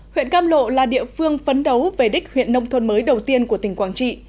huyện cam lộ là địa phương phấn đấu về đích huyện nông thôn mới đầu tiên của tỉnh quảng trị